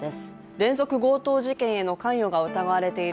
連続強盗事件への関与が疑われている